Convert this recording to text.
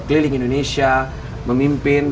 keliling indonesia memimpin